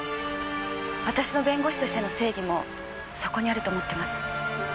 私の弁護士としての正義もそこにあると思ってます。